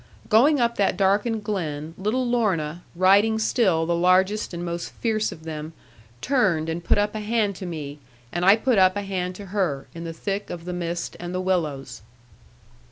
Going up that darkened glen, little Lorna, riding still the largest and most fierce of them, turned and put up a hand to me, and I put up a hand to her, in the thick of the mist and the willows.